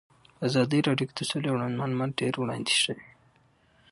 په ازادي راډیو کې د سوله اړوند معلومات ډېر وړاندې شوي.